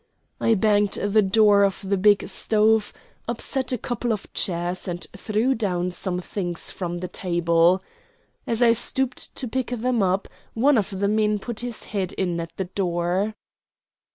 I banged the door of the big stove, upset a couple of chairs, and threw down some things from the table. As I stooped to pick them up one of the men put his head in at the door.